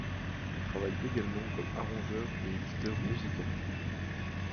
Il travaille également comme arrangeur et éditeur musical.